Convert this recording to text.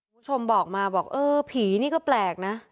คุณผู้ชมบอกมาบอกเออผีนี่ก็แปลกนะ